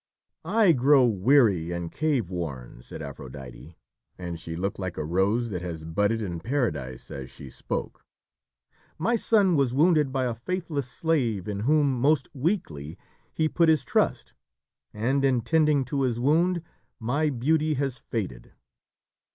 "I grow weary and careworn," said Aphrodite, and she looked like a rose that has budded in Paradise as she spoke. "My son was wounded by a faithless slave in whom, most weakly, he put his trust, and in tending to his wound, my beauty has faded."